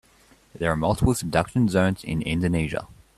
There are multiple subduction zones in Indonesia.